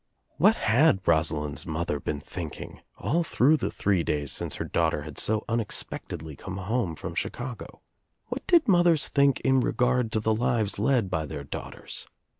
What had Rosalind's mother been thinking all I the three days since her daughter had so un 240 THE TRIDMPK OF THE EGG expectedly come home from Chicago? What (£d mothers think in regard to the lives led by their daughters?